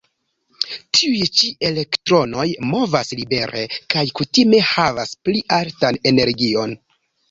Tiuj ĉi elektronoj movas libere kaj kutime havas pli altan energion.